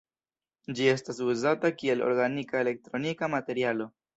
Ĝi estas uzata kiel organika elektronika materialo.